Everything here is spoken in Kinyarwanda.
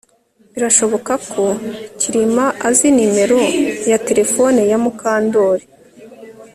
Birashoboka ko Kirima azi numero ya terefone ya Mukandoli